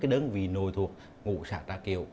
năm đơn vị nội thuộc ngũ xã trà kiệu